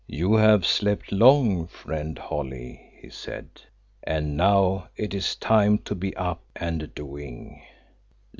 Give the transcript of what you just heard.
"You have slept long, friend Holly," he said, "and now it is time to be up and doing."